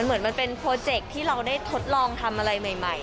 เหมือนมันเป็นโปรเจคที่เราได้ทดลองทำอะไรใหม่